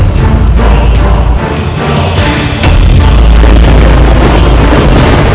jangan mau ulangi